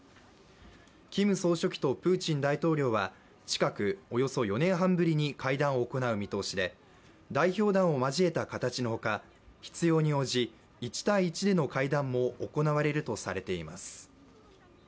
キム総書記とプーチン大統領は近くおよそ４年半ぶりに会談を行う見通しで代表団をまじえた形のほか必要に応じ１対１での会談も行われるとされています。